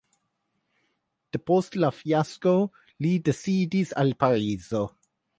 Depost la fiasko li disidis al Parizo.